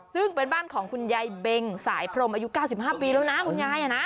ซึ่งเป็นบ้านของคุณยายเบงสายพรมอายุ๙๕ปีแล้วนะคุณยาย